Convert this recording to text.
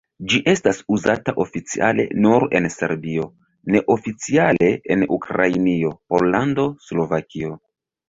Ĝi estas uzata oficiale nur en Serbio, neoficiale en Ukrainio, Pollando, Slovakio.